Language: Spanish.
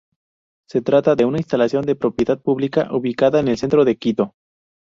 Se trata de una instalación de propiedad pública ubicada en el centro de Quito.